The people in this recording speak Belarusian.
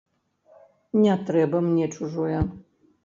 Не трэба мне чужое.